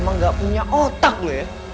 emang gak punya otak loh ya